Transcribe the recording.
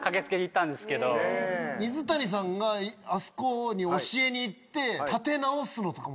水谷さんがあそこに教えに行って。